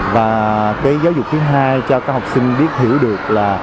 và cái giáo dục thứ hai cho các học sinh biết hiểu được là